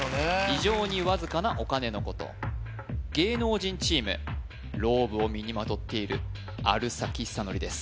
非常にわずかなお金のこと芸能人チームローブを身にまとっているある崎修功です